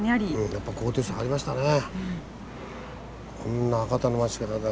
やっぱ高低差ありましたね。